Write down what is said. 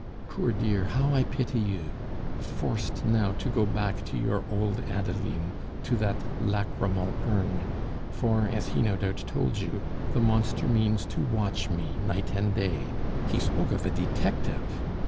Poor dear, how I pity you! Forced now to go back to your old Adeline, to that lachrymal urn for, as he no doubt told you, the monster means to watch me night and day; he spoke of a detective!